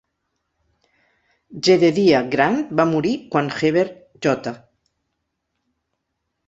Jedediah Grant va morir quan Heber J.